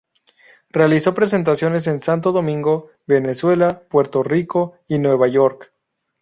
Realizó presentaciones en Santo Domingo, Venezuela, Puerto Rico y Nueva York.